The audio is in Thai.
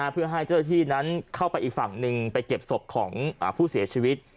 เพื่อให้เจ้าหน้าที่นั้นเข้าไปอีกฝั่งหนึ่งไปเก็บศพของผู้เสียชีวิต